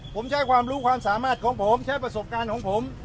ผมใช้ความรู้ความสามารถของผมใช้ประสบการณ์ของผม